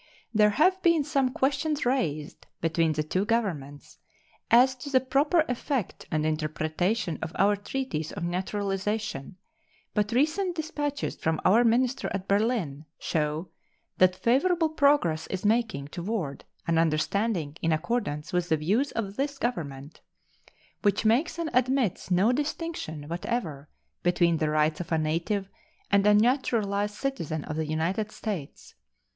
There have been some questions raised between the two Governments as to the proper effect and interpretation of our treaties of naturalization, but recent dispatches from our minister at Berlin show that favorable progress is making toward an understanding in accordance with the views of this Government, which makes and admits no distinction whatever between the rights of a native and a naturalized citizen of the United States.